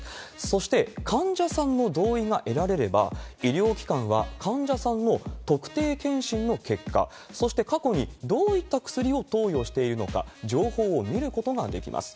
そして、患者さんの同意が得られれば、医療機関は患者さんの特定健診の結果、そして過去にどういった薬を投与しているのか、情報を見ることができます。